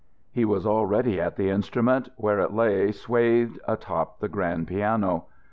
He was already at the instrument, where it lay swathed, atop the grand piano.